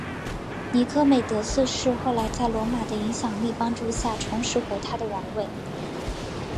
尼科美德四世后来在罗马的影响力帮助下重拾回他的王位。